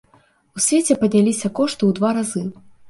У свеце падняліся кошты ў два разы!